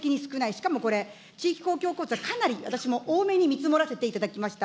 しかもこれ、地域公共交通はかなり私も多めに見積もらせていただきました。